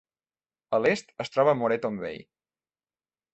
A l'est es troba Moreton Bay.